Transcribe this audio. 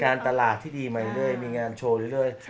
ตลาดที่ดีใหม่เรื่อยมีงานโชว์เรื่อย